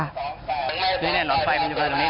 แม่ผมไปแล้วใครจะช่วยแม่ผมทำบ่อ